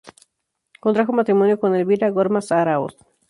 Contrajo matrimonio con Elvira Gormaz Aráoz.